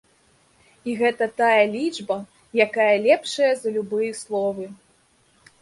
І гэта тая лічба, якая лепшая за любыя словы.